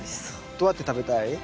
どうやって食べたい？